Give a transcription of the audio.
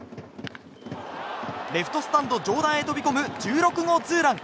レフトスタンド上段へ飛び込む１６号ツーラン。